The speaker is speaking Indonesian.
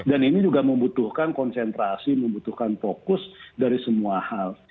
dan ini juga membutuhkan konsentrasi membutuhkan fokus dari semua hal